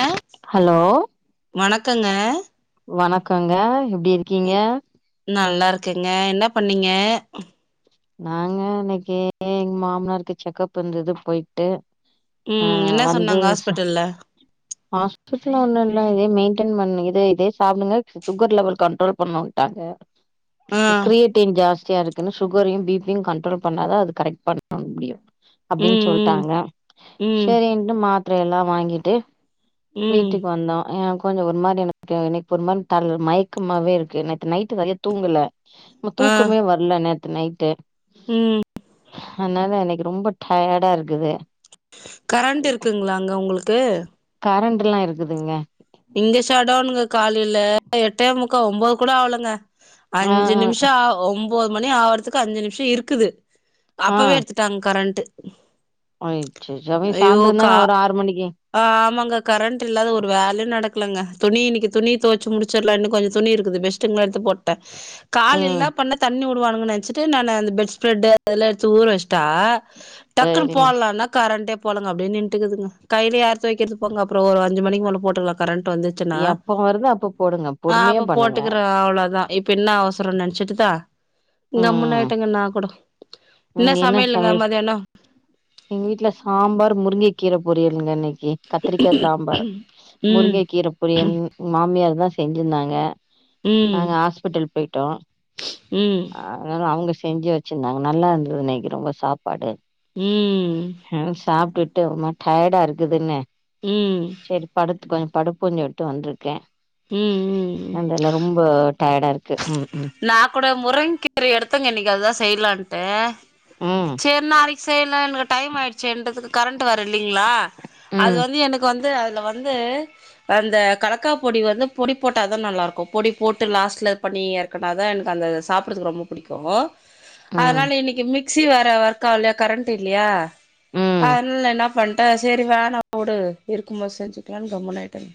அ hello வணக்கங்க வணக்கங்க எப்டி இரு க்கீங்க என் நல்லா இருக்கங்க என்ன பண்ணீங்க நாங்க இன்னக்கி எங் மாமனாருக்கு செக்கப் இருந்தது போய்ட்டு ஆ ம் என்ன வந்து சொன்னாங்க சோ ஹாஸ்பிட்டல்ல ஹாஸ்பிட்ல ஒண்ணு இல்ல இதே மெயின்டென் பண்ணு இதே இதே சாப்டுங்க சுகர் லெவல் கண்ட்ரோல் பண்ணுட்டாங்க ஆ நிக்கி கிரியேடிங் ஜாஸ்தியா இருக்குன் சுக ரையு பிபியு கண்ட்ரோல் பண்ணா தா அது கரெக்ட் இது பண்ண முடியு அப்டின்னு ம் ம் சொல்டாங்க ம் செரின்ட்டு மாத்ர எல்லா வாங்கிட்டு ம் வீட்டுக்கு வந்தோ அ கொஞ்சோ ஒரு மாரி எனக்கு எனக் ஒரு மாரி தல் மய்க்கமாவே இருக்கு நேத்து நைட்டு நறைய தூங்கல மு ஆ தூக்கமே வர்ல நேத்து நைட்டு ம் அன்னால எனக்கு ரொம்ப டயடா இருக்குது கரண்ட்டு இருக்குங்களாங்க உங்ளுக்கு கரண்டுலா இருக்குதுங்க இங்கு சடௌன்ங்க காலேல எட்டே முக்கா ஒம்போது கூட ஆவ்லங்க ஆ அஞ்சு ஆ நிம்ஷா ஒம்போது மணி ஆவுறதுக்கு அஞ்சு நிம்ஷோ இருக்குது அப்பவே எடுத்து ட்டாங் கரண்ட்டு ஒய் செரி ஜெபி ஐயோ சாந்ரோ தான கா வரு ஆறு மணிக்கி ஆமாங்க கரண்ட் இல்லாத ஒரு வேலயு நடக்லங்க துணி இனக்கி துணி துவச்சி முடிச்சிர்லா இன்னு கொஞ்சோ துணி இருக்குது பெஸ் ட்டுங்கள எடுத்து போட்டே கால் ம் ன்னா பண்ணே தண்ணி வுட் வுடுவான்கனு நெனச்சிட்டு நானு அந்த பெட் ஸ்ப்ரெட் அதெல்லா எடுத்து ஊற வச்ட்டா டக்குன்னு சரிங்க போட்லானா கரண்டே போலங்க அப்டியே நின்டு இருக்குதுங்க கைலே யார் தொவெக்றது போங்க அப்றோ ஒரு அஞ்சு மணிக்கு மேல போட்டுக்கலா கரண்ட் வந்து ச்சுனா எப்ப வருதோ அப்ப போடுங்க ஆ பொறுமையா அப்ப பண்ணுங்க போட்டுக்குறே அவ்ளோதா இப் பின்னா அவசரோ நினச்சிட்டுதா கம்முனு ம் ஆயிட்டேங்க நா கூட இன்ன ம் என்ன சமையல்ங்க சமையல் மதியானோ எங்க வீட்ல சாம்பார் முருங்க கீர பொரியல்ங்க இன்னிக் கீ கத்திரிக்கா சாம்பார் ம் முருங்க கீர பொரியன் மாமியார் தா செஞ்சிருந்தாங்க ம் நாங்க ஆஸ்பிட்டல் போய்டோ ம் அங்கதா அவுங்க செஞ்சு வச்சிந்தாங்க நல்லா இருந்தது இன்னைக் ரொம்ப சாப்பாடு ம் உம் அ சாப்டுட்டு ஒரு மாரி டயடா இருக்குதுன்னு ம் ம் செரி படுத்து கொஞ்சோ படுப்போன் சொல்ட்டு வந்திருக்கே ம் ம் மன்டேலா ரொம்ப டயடா இருக்கு ம் ம் நா கூட முருங் கீர எடுத்துன் இன்னீக்கி அதுதா செய்லான்ட்டு ம் செர் நாளைக் செய்லா எனக்கு டைம் ஆய்டுச்சே என்றதுக்கு கரண்ட் வேற இல்லிங்ளா அது ம் வந்து எனக்கு வந்து து அதுல வந்து அந்த கலக்கா பொடி வந்து பொடி போட்டா தா நல்லாருக்கு பொடி போட்டு லாஸ்ட்ல பண்ணி கடாதா எனக் அந்த சாப்டுறதுக்கு ரொம்ப புடிக்கு ம் ம் அத்னால இன்னக்கி மிக் ஸி வேற ஒர்க் ஆவலயா கரண்ட் இல்லயா ம் அத்ல என்னாப் பண்ட்டே செரி வேணா வுடு இருக்கும்போது செஞ்சுக்கலான் கம்முன்னு ஆயிட்டேங்க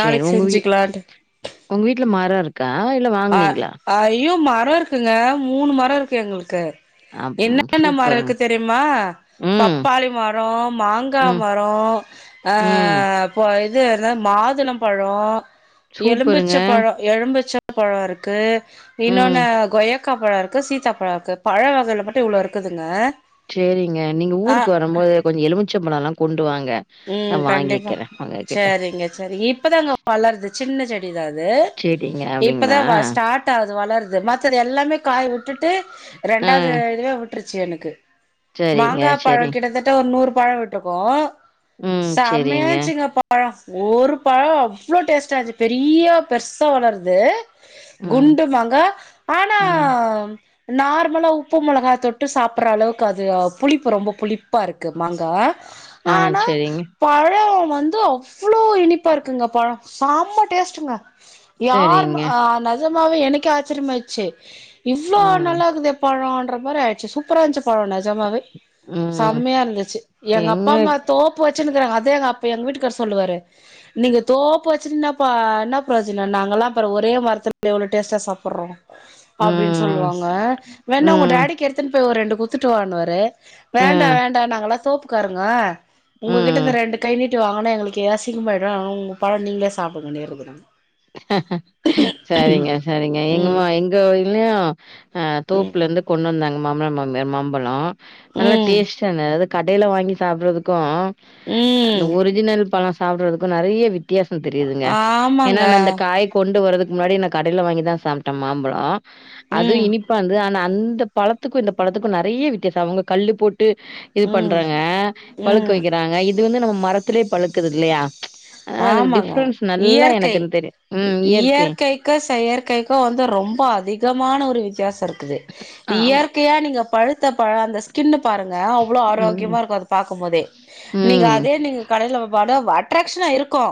செரி நாளைக்கு உங்க வீ செஞ்சுக்கலான்ட்டு உங்க வீட்டுல மரோருக்கா இல்ல வாங்குனீங்களா அய்யோ மரோ இருக்குங்க மூணு மரோ இருக்கு எங்களுக்கு அப் என்னென்னா மரோ சூப்பருங்க இருக்கு தெரியுமா ம் பப்பாளி மரோ மாங்கா ம் மரோ ஆ ம் ப இது என்ன மாதுளம் பழோ சூப்பருங்க எலும்பிச்ச பழோ எலும்பிச்ச பழோ இருக்கு ம் இன்னொன்னு கொய்யா காப்பழோ இருக்கு சீதாப்பழோ இருக்கு பழ வகைல மட்டு இவ்ளோ இருக்குதுங்க சேரிங்க நீங்க ஆ ஊருக்கு வரும்போது கொஞ்சோ எலுமிச்ச பழம்ல்லா கொண்டு வாங்க நா ம் கண்டிப்பா வாங்கிக்கிறே உங்ககிட்ட சேரிங்க சேரிங்க இப்பதாங்க வளர்து சின்ன செடிதா அது சேரிங்க அப்டிங்களா இப்பதான் வா ஸ்டார்ட் டாகுது வளர்து மத்தது எல்லாமே காய் வுட்டுட்டு ஆ ரெண்டாவது இதுவே விட்டுருச்சு எனக்கு சரிங்க மாங்கா பழோ சரி கிட்டத்தட்ட ஒரு நூறு பழோ விட்டுருக்கு ம் சரிங்க செம்மையாச்சுங்க பழோ ஒரு பழோ அவ்ளோ டேஸ்ட்டா இருந்துச்சு பெரிய பெருசா வளர்து ம் குண்டுமாங்கா ஆனா ம் நார்மலா உப்பு மொளகா தொட்டு சாப்டுற அளவுக்கு அது புளிப்பு ரொம்ப புளிப்பா இருக்கு மாங்கா ஆ ஆனா சரிங்க பழோ வந்து அவ்ளோ இனிப்பா இருக்குங்க பழோ சம்ம டேஸ்ட்டுங்க யார் ம் சரிங்க அ நெஜமாவே எனக்கே ஆச்சரியமாயிச்சு இவ்ளோ ம் நல்லாக்குதே பழோன்ற மாரி ஆயிடுச்சு சூப்பராருந்துச்சு பழோ நெஜமாவே ம் செம்மையா இருந்துச்சு எங்க அப்பா அம்மா தோப் பூ வச்சிருந்தே அதேதா அப்ப எங்க வீட்டுக்கார் சொல்லுவாரு நீங்க தோப்பு வச்சிர்தாபா என்ன பிரோஜனோ நாங்கல்லா பாரு ஒரே மரத்துல எவ்ளோ டேஸ்ட்டா சாப்பிட்றோ அப்டின்னு ம், சொல்லுவாங்க வேணா உங்க ம், டேடிக்கு எடுத்துன்னு போய் ஒரு ரெண்டு குடுத்துட்டு வானுவாரு அ, வேண்டா வேண்டா நாங்கெல்லா தோப்புக்காரங்க உங்க கிட்ட இந்த ம். ரெண்டு கை நீட்டி வாங்கனா எங்களுக்கு அசீங்கமாயிடு உங்க பழம் நீங்களே சாப்பிடுங்கன்னிறது நாங்க [unintelligible] செரிங்க செரிங்க ம் எங்கமா எங்க வீட்லயு அ தோப்புல இருந்து கொண்டு வந்தாங்க மாம்னார் மாமியார் மாம்பழம் நல்லா ம் டேஸ்ட்ட அது கடையில வாங்கி சாப்பறதுக்கு ம் அந்த ஒரிஜினல் பழம் சாப்பிறதுக்கு நெறைய வித்தியாசோ தெரியுதுங்க ஏன்னா ஆமாங்க அந்த காய் காய் கொண்டு வரதுக்கு முன்னாடி நா கடைல வாங்கி தா சாப்பிட்டே மாம்பழம் அது ம் இனிப்பா இருந்தது ஆ அந்த பழத்துக்கு இந்த பழத்துக்கு நெறைய வித்தியாசோ அவுங்க கல்லு போட்டு இது ம் பண்றாங்க பழுக்க ம் வைக்கிறாங்க இது வந்து நம்ம மரத்திலேயே பழுக்குது இல்லையா ச் ஆ அதுக்கு ஆமாங்க டிஃப்ரன்ஸ் நல்லா எனக்கு இயற்கை தெரியு. ம் இயற்கை. இயற்கைக்கு செயற்கைக்கு வந்து ரொம்ப அதிகமான ஒரு வித்தியாசோ இருக்குது ஆமா. இயற்கையா நீங்க பழுத்த பழம் அந்த தின்னு பாருங்க அவ்ளோ ம். ஆரோக்கியமா இருக்கு அத பாக்கு போதே நீங்க ம். அதே நீங்க கடைல பாடு அட்ராக்ஷனா இருக்கு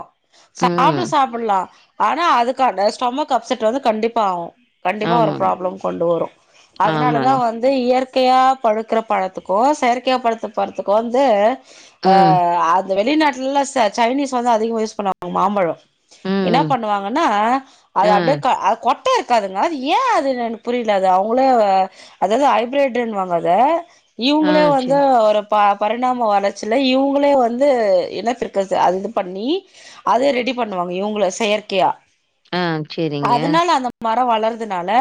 ம். சாப்ட்டு சாப்பிட்லா ஆனா அதுக்கான ஸ்டொமக் அப்செட் வந்து கண்டிப்பா ஆகு கண்டிப்பா ஒரு ஆமாங்க. ப்ராப்ளம் கொண்டு வரு அதனால தா ஆமாங்க. வந் வந்து இயற்கையா படழுக்கிற பழத்துக்கு செயற்கையா பழுக்குற பழத்துக்கு வந்து ஆ ம். அந்த வெளிநாட்டுல எல்லா சைனீஸ் வந்து அதிகமா யூஸ் பண்ணுவாங்க மாம்பழம் என்ன ம். பண்ணுவாங்கன்னா ஆ. அது அப்டியே க கொ கொட்ட இருக்காதுங்க அது ஏ அதுனு புரியல அது அவங்களே அதாவது ஹைப்ரேட்னு வாங்க அத ஆ இவங்களே சரி. வந்து ஒரு ப பரிணாம வளர்ச்சல இவங்களே வந்து இன்னப்பக்குறது அது பண்ணி அத ரெடி பண்ணுவாங்க இவங்க செயற்கையா ஆ சரிங்க. அதனால அந்த மரோ வளர்துனால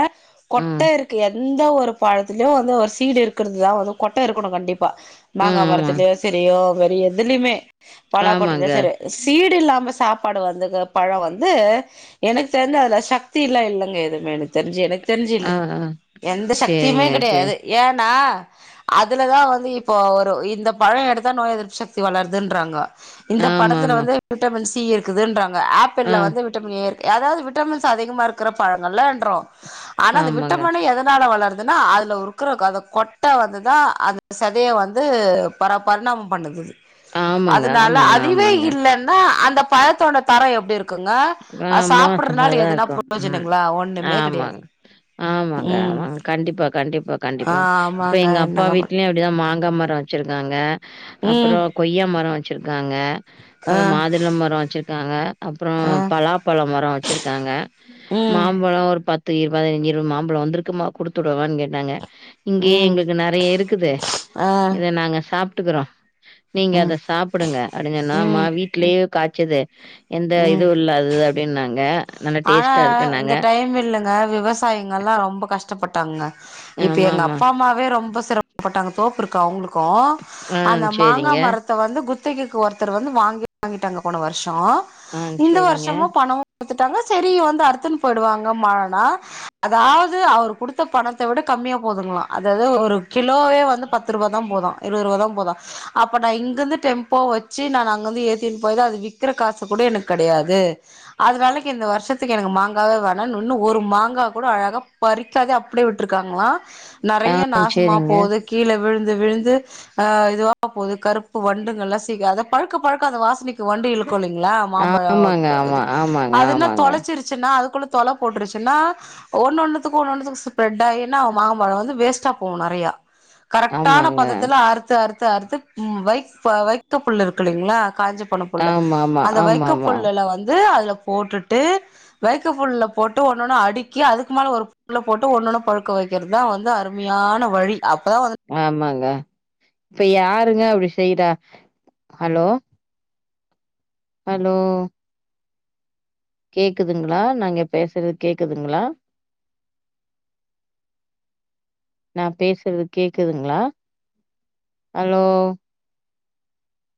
கொட்ட ம். இருக்கு எந்த ஒரு பழத்திலயு வந்து ஒரு சீடு இருக்கிறது தா வந்து கொட்ட இருக்கணு கண்டிப் ப்ப ம். ஆமா. மாங்காமரத்துலயோ சரியோ வேரி எதுலயுமே பாலாக்கொட்டையிலயோ ஆமாங்க. செரி சீடு இல்லாம சாப்பாடு வந்து பழம் வந்து எனக்கு தெரிஞ்ச அதுல சக்திலா இல்லைங்க எதுவுமே எனுக்கு தெரிஞ்சு எனக்கு ஆ, தெரிஞ்சுல ஆ. எந்த சக்தியுமே சரிங்க சரி. கெடையாது ஏனா அதுலதா வந்து இப்போ ஒரு இந்த பழம் எடுத்தா நோய் எதிர்ப்பு சக்தி வளருதுன்றாங்க பழத்தில்ல ஆமாமா. வந்து விட்டமின் சி இருக்குதுன்றாங்க ஆ. ஆப்பிள்ல வந்து விட் ஏ அதாவது விட்டமின்ஸ் அதிகமா இருக்கிற பழங்கள்ல என்றோ ஆனா அந்த ஆமாங்க. விட்டமின்னு எதனால வளர் அனா அதில இருக்கிற அந்த கொட்ட வந்துதா அந்த சதைய வந்து பர பரணாமம் பண்ணுது அது ஆமாங்க, அதனால ஆமாங்க, அதுவே ஆமாங்க. இல்லன்னா அந்த பழத்தோட தரோ எப்டி இருக்கு இருக்குங்க ஆ அது சாப்பிடுறதுனால மோசமாதான் எதனா இருக்கும். ம். பிரயோஜனங்களா ஒண்ணுமே கெடையாது ஆமாங்க. ஆமாங்க ம் ஆமாங்க கண்டிப்பா கண்டிப்பா ஆ கண்டிப்பா இப்ப ஆமாங்க எங்க அப்பா என்னங்க பண் வீடலயு அப்டிதா மாங்கா மரோ வச்சிருக்காங்க ம் அப்பறோ கொய்யா மரோ வச்சிருக்காங்க ஆ அப்றோ மாதுளம் மரம் வச்சிருக்காங்க அப்றோ ஆ பலாப்பழ மரம் வச்சிருக்காங்க ம் மாம்பழம் ஒரு பத்து இருப பதினஞ்சு இருபது மாம்பழம் வந்திருக்குமா குடுத்துடுவான்னு கேட்டாங்க இங்கேயே ம் எங்களுக்கு நெறைய இருக்குது ஆ இத நாங்க சாப்பிட்டுக்கிறோ நீங்க அத ம் சாப்புடுங்க அடுங்க நாமா ம் ம் வீட்லயே காய்ச்சது எந்த ம் இதுவு இல்லாது அப்டின்னாங்க ஆனா இந்த டைம் இல்லங் க விவசாயிங்கள்லா ரொம்பொ கஷ்டப்பட்டாங்க இப்ப எங்க ஆமாமா. அப்பா அம்மாவே ரொம்ப சிரம் ப்பட்டாங்க தோப்பு இருக்கு அவுங்குளுக்கு ஆ அந்த மாங்கா சேரிங்க. மர த்த வந்து குத்தகைக்கு ஒருத்தர் வந்து வாங்கி வாங்கிட்டாங்க போன வருஷோ ஆ இந்த சேரிங்க. வருஷமு பணோ டாங்க செரி வந்து அருத்துன் போய்டுவாங்க மழனா அதாவ்து அவரு குடுத்த பணத்த விட கம்மியா போதுங்ளா அதாது ஒரு கிலோவே வந்து பத்துருவாதா போதா இருவதுருவாதா போதா அப்ப நான் இங்கர்ந்து டெம்போ வச்சு நாங்க அங்கர்ந்து ஏத்தின் போயதா அது விக்கிற காசு கூட எனக் கெடையாது அந்த வெலைக் கி இந்த வருஷத்துக்கு எனக்கு மாங்காவே வேணா இன்னு இன்னு ஒரு மாங்கா கூட அழகா பறிக்காதே அப்டியே விட்ருக்காங்ளா ஆ நறைய நாசமா சேரிங்க. போது கீழ விழுந்து விழுந்து ஆ இதுவா போகுது கருப்பு வண்டுங்கலா சீக அத பழுக்க பழுக்க அந்த வாசனைக்கு வண்டு இழு க்குலிங்ளா ஆமாங்க, மாம்பழோக்கு ஆமா, இதுக்கு ஆமாங்க, ஆமாங்க, இருச்சுன்னா அதுக்குள்ள தொல போட்ருச்சுன்னா ஒன்னு ஒன்னுத்துக்கு ஒன் ஒன்னுத்துக்கு ஸ்ப்ரெட் ஆயின்னா மாம்பழோ வந்து வேஸ்ட்டா போவு நறையா கரக்ட்டான ஆமாங்க. பதத்துல அறுத்து அறுத்து அறுத்து ம் வைக் பா வைக்க புள்ளு இருக்கு இல்லைங்ளா காஞ்ச போன புல்லு ஆமாமா, அந்த வைக்க ஆமாமா, புல்லுல வந்து அதுல போட்டுட்டு வைக்க புல்ல போட்டு ஒன்னொன்னு அடுக்கி அதுக்கு மேல ஒரு புல்ல போட்டு ஒன்னொன்னு பழுக்க வைக்கிறதா வந்து அருமியான வழி அப்பதா வந்து ஆமாங்க இப்ப யாருங்க அப்டி செய்றா ஹலோ ஹலோ கேக்குதுங்ளா நா இங்க பேசுறது கேக்குதுங்குளா நா பேசுறது கேக்குதுங்ளா ஹலோ